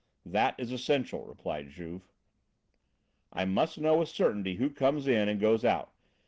"That is essential," replied Juve. "I must know with certainty who comes in and goes out.